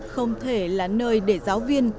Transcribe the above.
không thể là nơi để giáo viên